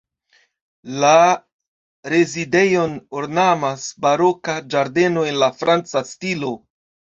La rezidejon ornamas baroka ĝardeno en la franca stilo.